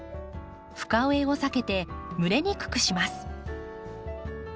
深植えを避けて蒸れにくくします。